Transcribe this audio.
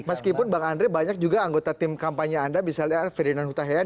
meskipun bang andre banyak juga anggota tim kampanye anda bisa lihat ferdinand huta heian